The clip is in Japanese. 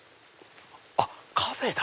あっカフェだ。